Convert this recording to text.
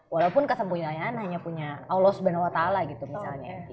walaupun kesempurnayaan hanya punya allah swt gitu misalnya